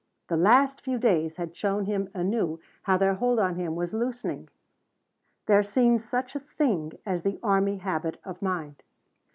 The last few days had shown him anew how their hold on him was loosening. There seemed such a thing as the army habit of mind.